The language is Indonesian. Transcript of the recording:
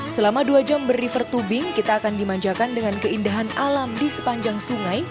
selama dua jam berlifer tubing kita akan dimanjakan dengan keindahan alam di sepanjang sungai